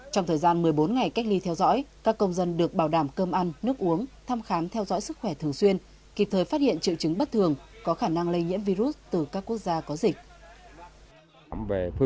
trong thời gian một mươi bốn ngày cách ly theo dõi các công dân được bảo đảm cơm ăn nước uống thăm khám theo dõi sức khỏe thường xuyên kịp thời phát hiện triệu chứng bất thường có khả năng lây nhiễm virus từ các quốc gia có dịch